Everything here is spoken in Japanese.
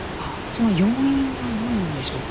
その要因は何なんでしょうか。